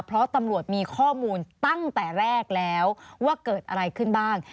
เพราะตำรวจมีข้อมูลตั้งแต่แรกแล้วว่าเกิดอะไรขึ้นบ้าง